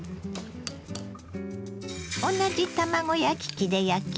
同じ卵焼き器で焼きます。